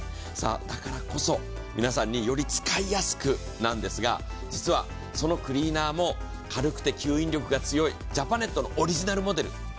だからこそ皆さんにより使いやすく、なんですが、実は、そのクリーナーも軽くて吸引力が強いジャパネットのオリジナルモデル。